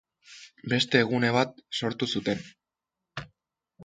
Beste gune bat sortu zuten.